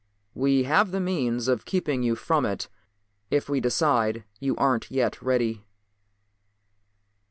We have the means of keeping you from it if we decide you aren't yet ready."